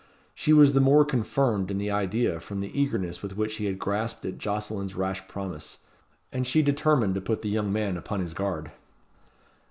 She was the more confirmed in the idea from the eagerness with which he had grasped at Jocelyn's rash promise, and she determined to put the young man upon his guard.